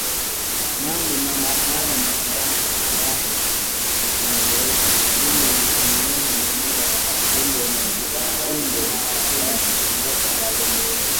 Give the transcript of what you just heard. Nani mama yako? Alaa! Usinizeeshe mimi, hunioni mwenyewe umbo unaopendeza hapa